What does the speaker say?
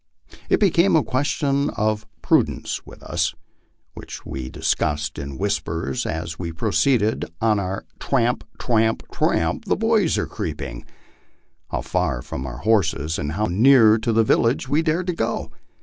It became a question of prudence with us, which we discussed in whispers as we proceeded on our " Tramp, tramp, tramp, the boys are creeping," how far from our horses and how near to the village we dared to go.